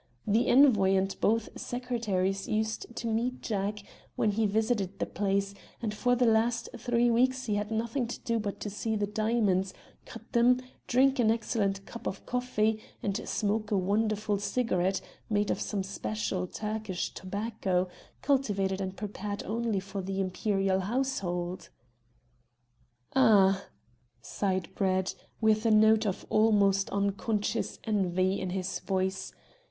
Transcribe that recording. The Envoy and both secretaries used to meet Jack when he visited the place, and for the last three weeks he had nothing to do but see the diamonds, count them, drink an excellent cup of coffee, and smoke a wonderful cigarette, made of some special Turkish tobacco, cultivated and prepared only for the Imperial household." "Ah!" sighed Brett, with a note of almost unconscious envy in his voice.